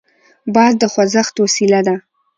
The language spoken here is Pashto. باد د خوځښت وسیله ده.